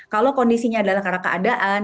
kalau kondisinya adalah karena keadaan